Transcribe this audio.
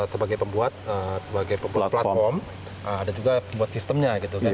sebagai pembuat sebagai pembuat platform ada juga pembuat sistemnya gitu kan